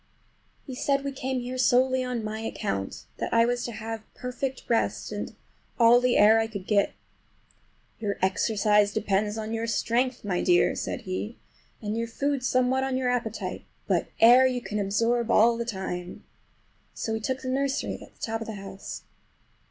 He said we came here solely on my account, that I was to have perfect rest and all the air I could get. "Your exercise depends on your strength, my dear," said he, "and your food somewhat on your appetite; but air you can absorb all the time." So we took the nursery, at the top of the house.